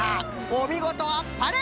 おみごとあっぱれ。